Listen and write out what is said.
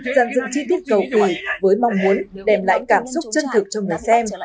gian dựng chi tiết cầu kỳ với mong muốn đem lại cảm xúc chân thực cho người xem